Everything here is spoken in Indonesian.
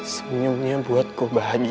senyumnya buatku bahagia